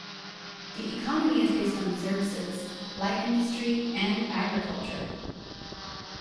The economy is based on services, light industry and agriculture.